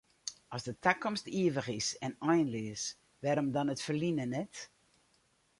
As de takomst ivich is en einleas, wêrom dan it ferline net?